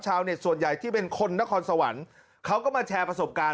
ส่วนใหญ่ที่เป็นคนนครสวรรค์เขาก็มาแชร์ประสบการณ์